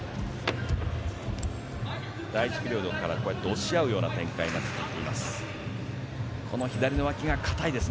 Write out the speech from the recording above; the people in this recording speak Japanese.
第１ピリオドから押し合う展開になっています。